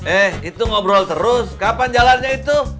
eh itu ngobrol terus kapan jalannya itu